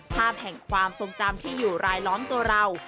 ภาพแห่งความทรงจำที่อยู่รายล้อมตัวเรา